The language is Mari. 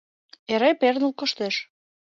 Эре перныл коштеш.